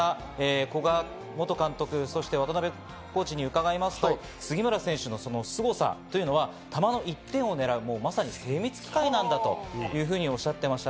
古賀元監督、そして渡辺元コーチに伺いますと、杉村選手のすごさというのは球の一点を狙う、まさに精密機械なんだというふうにおっしゃっていました。